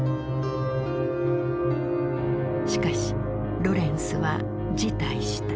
しかしロレンスは辞退した。